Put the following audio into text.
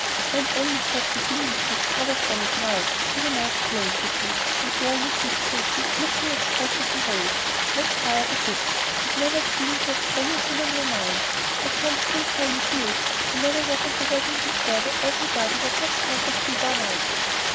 "I am only just beginning to recover from it now," she remarked plaintively, "and there you sit, Katy, looking as fresh as a rose; not tired a bit, and never seeming to have anything on your mind. I can't think how you do it. I never was at a wedding before where everybody was not perfectly worn out."